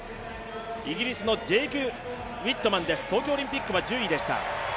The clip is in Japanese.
イギリスのウィットマン東京オリンピックは１０位でした。